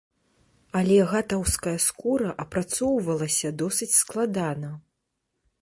Але гатаўская скура апрацоўвалася досыць складана.